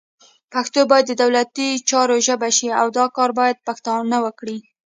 پښتو باید د دولتي چارو ژبه شي، او دا کار باید پښتانه وکړي